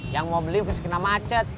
yang mau beli kena macet